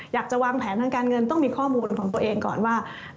อยากจะวางแผนทางการเงินต้องมีข้อมูลของตัวเองก่อนว่า